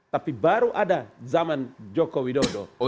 tapi baru ada zaman jokowi dodo